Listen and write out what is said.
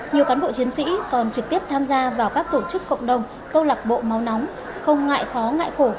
nhiều cán bộ chiến sĩ còn trực tiếp tham gia vào các tổ chức cộng đồng câu lạc bộ máu nóng không ngại khó ngại khổ